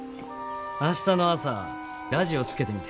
明日の朝ラジオつけてみて。